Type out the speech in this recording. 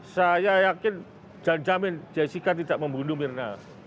saya yakin jangan jamin jessica tidak membunuh mirna